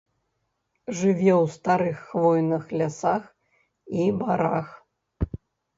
Жыве ў старых хвойных лясах і барах.